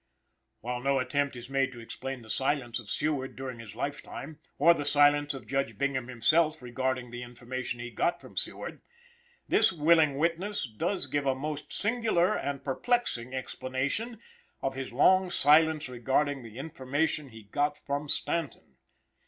While no attempt is made to explain the silence of Seward during his lifetime, or the silence of Judge Bingham himself regarding the information he got from Seward, this willing witness does give a most singular and perplexing explanation of his long silence regarding the information he got from Stanton.